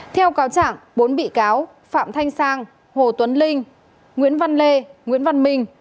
theo cáo chẳng bốn bị cáo phạm thanh sang hồ tuấn linh nguyễn văn lê nguyễn văn minh